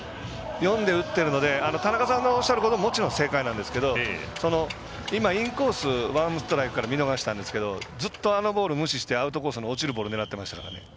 読んで打ってるので田中さんがおっしゃることはもちろん正解なんですけど今インコースワンストライクから見逃したんですけどずっとあのボール無視してアウトコースに落ちる球待ってましたから。